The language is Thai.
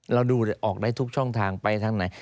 เราดูออกได้ทุกช่องทางไปทางไหน